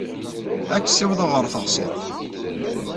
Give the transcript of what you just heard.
Ad k-ssiwḍeɣ ɣer teɣsert.